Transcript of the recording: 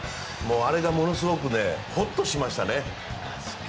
あれがものすごくほっとしましたね。